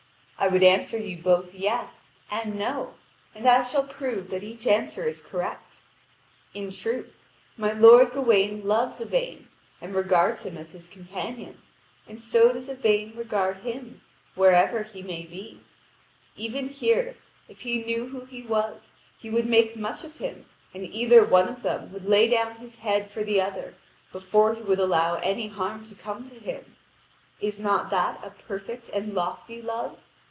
I would answer you both "yes" and "no." And I shall prove that each answer is correct. In truth, my lord Gawain loves Yvain and regards him as his companion, and so does Yvain regard him, wherever he may be. Even here, if he knew who he was, he would make much of him, and either one of them would lay down his head for the other before he would allow any harm to come to him. Is not that a perfect and lofty love?